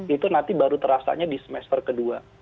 itu nanti baru terasanya di semester kedua